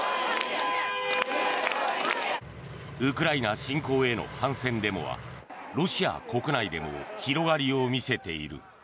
ウクライナ侵攻への反戦デモはロシア国内でも広がりを見せている。